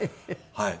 はい。